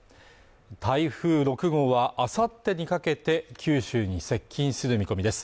台風６号はあさってにかけて九州に接近する見込みです